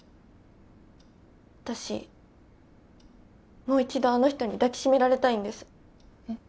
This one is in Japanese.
私もう一度あの人に抱きしめられたいんですえっ？